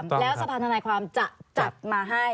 แล้วสะพานธนายความจะจัดมาให้